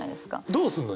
どうすんの？